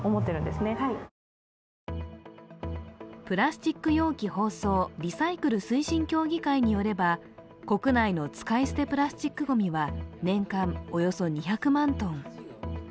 プラスチック容器包装リサイクル推進協議会によれば国内の使い捨てプラスチックごみは年間およそ２００万トン。